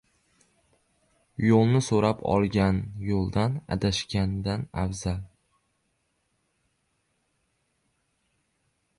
• Yo‘lni so‘rab olgan yo‘ldan adashgandan afzal.